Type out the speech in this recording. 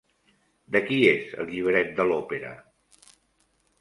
De qui és el llibret de l'òpera?